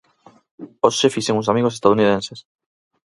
Hoxe fixen uns amigos estadounidenses